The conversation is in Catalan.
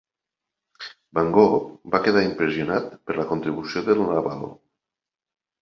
Van Gogh va quedar impressionat per la contribució de"n Laval.